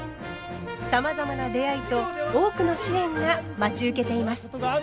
さまざまな出会いと多くの試練が待ち受けています。